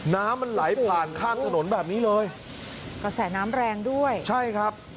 น้ำมันไหลผ่านข้างถนนแบบนี้เลยกระแสน้ำแรงด้วยใช่ครับ